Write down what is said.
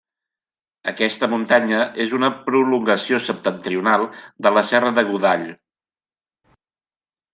Aquesta muntanya és una prolongació septentrional de la Serra de Godall.